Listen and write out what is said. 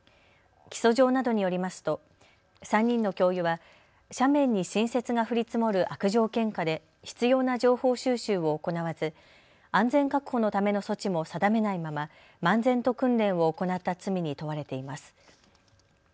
起訴状などによりますと３人の教諭は斜面に新雪が降り積もる悪条件下で必要な情報収集を行わず安全確保のための措置も定めないまま漫然と訓練を行った罪に問われています。